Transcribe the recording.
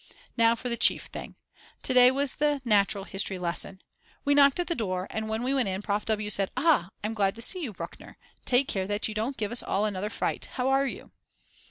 Now for the chief thing. Today was the Natural History lesson. We knocked at the door and when we went in Prof. W. said: Ah I'm glad to see you Bruckner; take care that you don't give us all another fright. How are you?